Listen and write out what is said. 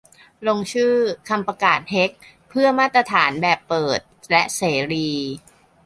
ลงชื่อ "คำประกาศเฮก" - เพื่อมาตรฐานแบบเปิดและเสรี